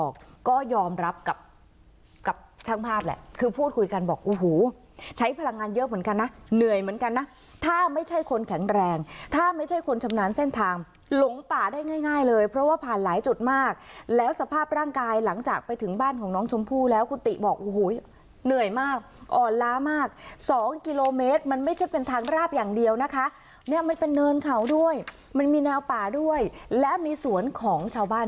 ก็ยอมรับกับกับช่างภาพแหละคือพูดคุยกันบอกโอ้โหใช้พลังงานเยอะเหมือนกันนะเหนื่อยเหมือนกันนะถ้าไม่ใช่คนแข็งแรงถ้าไม่ใช่คนชำนานเส้นทางหลงป่าได้ง่ายเลยเพราะว่าผ่านหลายจุดมากแล้วสภาพร่างกายหลังจากไปถึงบ้านของน้องชมพูแล้วคุณติบอกโอ้โหเหนื่อยมากอ่อนล้ามาก๒กิโลเมตรมันไม่ใช่เป็น